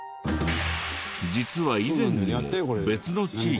実は以前にも別の地域で。